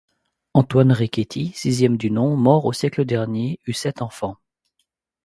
Antoine Riquetti, sixième du nom, mort au siècle dernier, eut sept enfants.